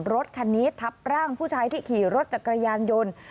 รถคันนี้ทับร่างผู้ชายที่ขี่รถจักรยานยนต์